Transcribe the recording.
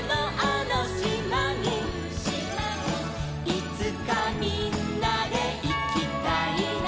「いつかみんなでいきたいな」